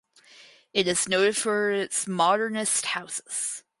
It is noted for its modernist houses.